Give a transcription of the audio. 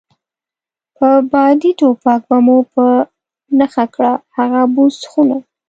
په بادي ټوپک به مو په نښه کړه، هغه بوس خونه.